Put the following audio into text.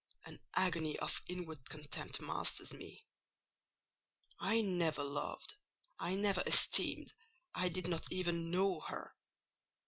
—an agony of inward contempt masters me. I never loved, I never esteemed, I did not even know her.